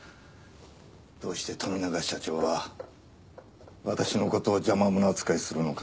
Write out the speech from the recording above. どうして富永社長は私の事を邪魔者扱いするのかな。